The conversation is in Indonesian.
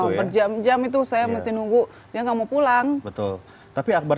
karena ada di situ jam jam itu saya masih nunggu yang kamu pulang betul tapi akbar